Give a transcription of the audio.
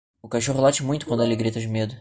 O cachorro late muito quando ele grita de medo.